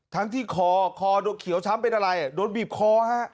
ทั้งที่คอคอโดนเขียวช้ำเป็นอะไรโดนบีบคอฮะ